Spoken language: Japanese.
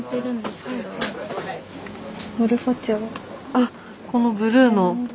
あっこのブルーの。